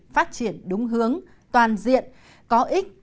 phát triển đúng hướng toàn diện có ích